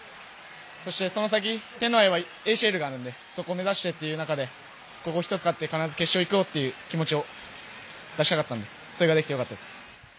そして、その先天皇杯はＡＣＬがあるのでそこを目指してという中でここ１つ勝って必ず決勝に行こうという気持ちを出したかったのでそれができてよかったです。